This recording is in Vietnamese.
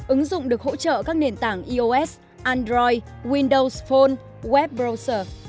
ứng dụng được hỗ trợ các nền tảng ios android windows phone web browser